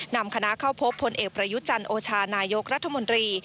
นำคณะเข้าพบพลเอกประยุจันทร์โอชานายกรัฐมนตรี